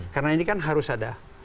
karena ini kan harus ada